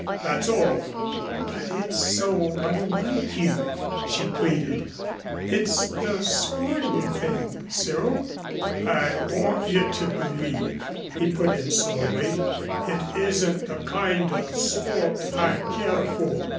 That's all." "But it's so unlike you," she pleaded. "It's the sporting thing, Cyril." "I want you to believe," he put in slowly, "it isn't the kind of sport I care for."